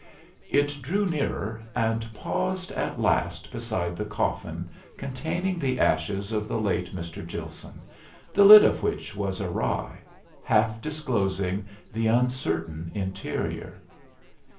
It drew nearer, and paused at last beside the coffin containing the ashes of the late Mr. Gilson, the lid of which was awry, half disclosing the uncertain interior.